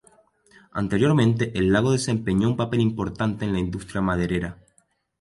Anteriormente, el lago desempeñó un papel importante en la industria maderera.